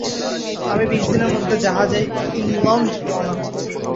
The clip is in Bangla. আমি বিশ দিনের মধ্যে জাহাজে ইংলণ্ড রওনা হচ্ছি।